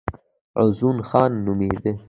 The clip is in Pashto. عوض خان نومېده.